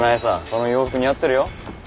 その洋服似合ってるよ。